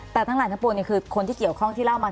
แต่ทั้งหลายทั้งปวงคือคนที่เกี่ยวข้องที่เล่ามา